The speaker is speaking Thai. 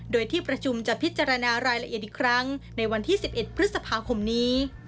โดยที่ประชุมจะพิจารณารายละเอียดอีกครั้งในวันที่๑๑พฤษภาคมนี้